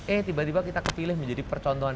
eh tiba tiba kita kepilih menjadi percontohan